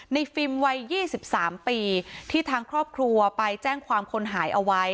ฟิล์มวัย๒๓ปีที่ทางครอบครัวไปแจ้งความคนหายเอาไว้